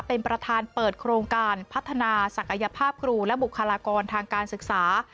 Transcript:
เป็นประธานเปิดโครงการพัฒนาศักยภาพครูและบุคลากรทางการศึกษา